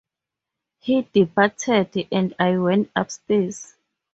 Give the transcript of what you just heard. He departed, and I went upstairs.